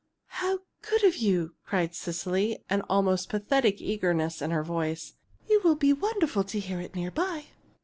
"How good of you!" cried Cecily, an almost pathetic eagerness in her voice. "It will be wonderful to hear it near by!"